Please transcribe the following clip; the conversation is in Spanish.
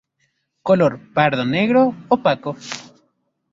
Color: pardo-negro, opaco.